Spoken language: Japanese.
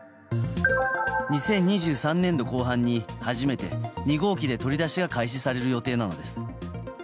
２０２３年度後半に初めて２号機で取り出しが開始される予定なのです。